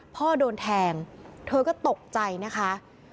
พ่อโดนแทงเธอก็ตกใจนะคะ